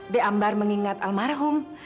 d'ambar mengingat almarhum